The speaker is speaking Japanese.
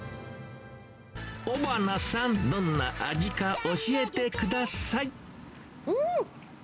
尾花さん、どんな味か教えてうーん。